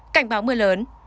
cảnh báo mưa lớn